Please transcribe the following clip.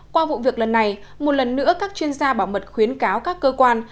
qua vụ việc lần này một lần nữa các chuyên gia bảo mật khuyến cáo các cơ quan